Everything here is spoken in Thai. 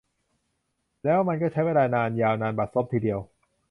แล้วมันก็ใช้เวลานาน ยาวนานบัดซบทีเดียว